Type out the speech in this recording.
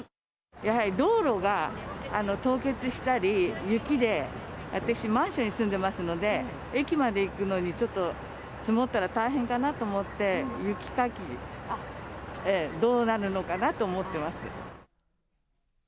やはり道路が凍結したり、雪で、私、マンションに住んでますので、駅まで行くのにちょっと積もったら大変かなと思って、雪かき、どうなるのかなと思ってます。